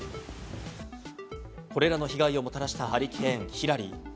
これらの被害をもたらしたハリケーン、ヒラリー。